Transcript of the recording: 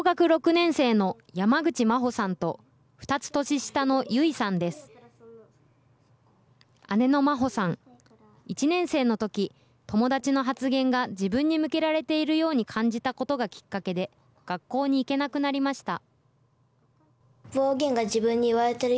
姉の真歩さん、１年生のとき、友達の発言が自分に向けられているように感じたことがきっかけで、学校に行けなくなりました。